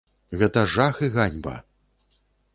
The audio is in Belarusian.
Гэта жах і ганьба.